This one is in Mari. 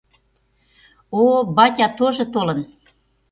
О, батя тожо толын.